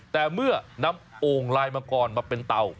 แต่เมื่อนำโอ่งลายมังกรมาเป็นเตา